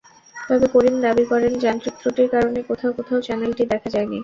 তবে করিম দাবি করেন, যান্ত্রিক ত্রুটির কারণে কোথাও কোথাও চ্যানেলটি দেখা যায়নি।